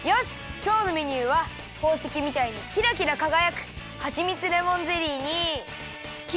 きょうのメニューはほうせきみたいにキラキラかがやくはちみつレモンゼリーにきまり！